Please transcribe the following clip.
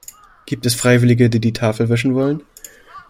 Gibt es Freiwillige, die die Tafel wischen wollen?